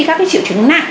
các triệu chứng nặng